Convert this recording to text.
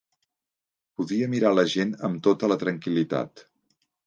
Podia mirar la gent am tota la tranquil·litat